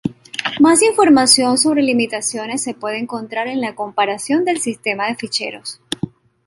Más información sobre limitaciones se puede encontrar en la comparación del sistema de ficheros.